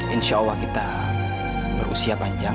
insya allah kita berusia panjang